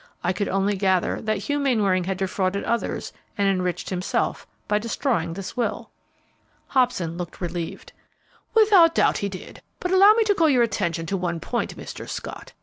I could only gather that Hugh Mainwaring had defrauded others and enriched himself by destroying this will." Hobson looked relieved. "Without doubt, he did; but allow me to call your attention to one point, Mr. Scott.